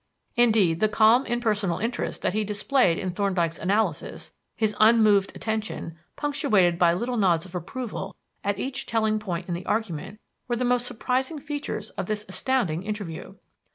Indeed, the calm, impersonal interest that he displayed in Thorndyke's analysis, his unmoved attention, punctuated by little nods of approval at each telling point in the argument, were the most surprising features of this astounding interview.